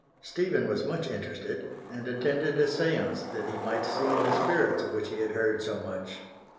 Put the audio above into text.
Stephen was much interested, and attended a séance that he might see the spirits of which he had heard so much.